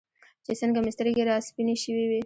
چې څنګه مې سترګې راسپینې شوې وې.